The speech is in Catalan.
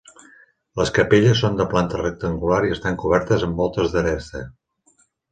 Les capelles són de planta rectangular i estan cobertes amb voltes d'aresta.